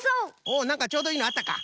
おっなんかちょうどいいのあったか？